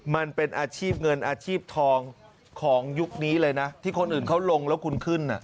มันเป็นอาชีพเงินอาชีพทองของยุคนี้เลยนะที่คนอื่นเขาลงแล้วคุณขึ้น